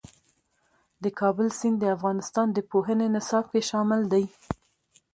د کابل سیند د افغانستان د پوهنې نصاب کې شامل دی.